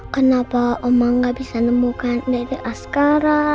kenapa omah gak bisa nemukan dede askara